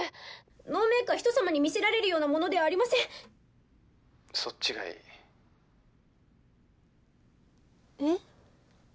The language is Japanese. ノーメイクはひとさまに見せられるようなものではありませんそっちがいいえっ？